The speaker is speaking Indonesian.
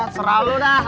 serah lo dah